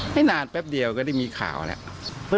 ไม่นานแป๊บเดียวก็ได้มีข่าวแล้ว